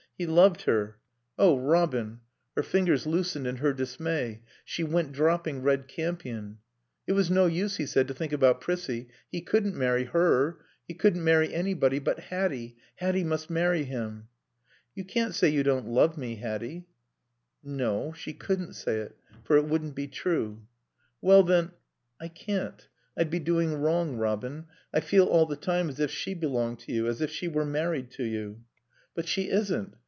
He loved her. "Oh, Robin " Her fingers loosened in her dismay; she went dropping red campion. It was no use, he said, to think about Prissie. He couldn't marry her. He couldn't marry anybody but Hatty; Hatty must marry him. "You can't say you don't love me, Hatty." No. She couldn't say it; for it wouldn't be true. "Well, then " "I can't. I'd be doing wrong, Robin. I feel all the time as if she belonged to you; as if she were married to you." "But she isn't.